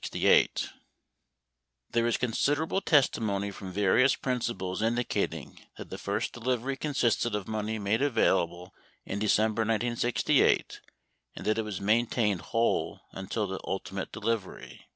— There is considerable testimony from various principals indicat ing that the first delivery consisted of money made available in December 1968, and that it was maintained whole until the ultimate delivery.